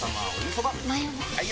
・はい！